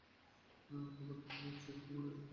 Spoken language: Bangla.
অতঃপর তার তাফসীরের সাথে পুনরায় ছাপা হয়।